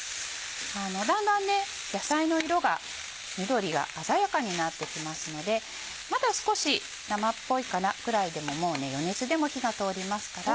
だんだん野菜の色が緑が鮮やかになってきますのでまだ少し「生っぽいかな」くらいでももう余熱でも火が通りますから。